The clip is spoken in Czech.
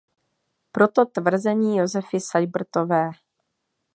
Proto tvrzení Josefi Sajbrtové.